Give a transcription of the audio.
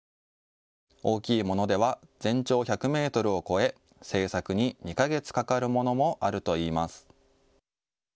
大きいものでは全長１００メートルを超え製作に２か月かかるものもあるといいます。